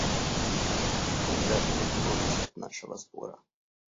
Это отвлекло нас от нашего спора.